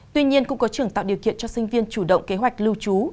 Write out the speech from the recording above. tuy nhiên cũng có trường tạo điều kiện cho sinh viên chủ động kế hoạch lưu trú